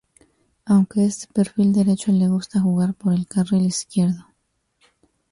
Aunque es de perfil derecho le gusta jugar por el carril izquierdo.